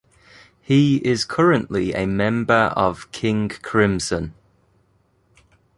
He is currently a member of King Crimson.